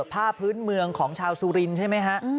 ผ้าพื้นเมืองของชาวสุรินทร์ใช่ไหมฮะ